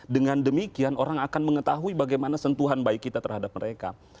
dengan demikian orang akan mengetahui bagaimana sentuhan baik kita terhadap mereka